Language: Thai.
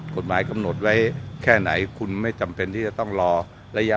กฎหมายกำหนดไว้แค่ไหนคุณไม่จำเป็นที่จะต้องรอระยะ